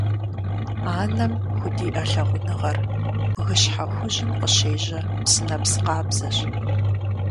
Анэм худиӀэ лъагъуныгъэр бгыщхьэ хужьым къыщежьэ псынэпс къабзэщ.